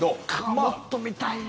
もっと見たいな。